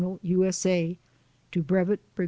U. S. A. ToBvt. Brig.